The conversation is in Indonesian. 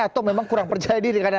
atau memang kurang percaya diri karena